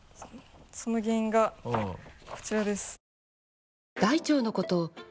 その原因がこちらです。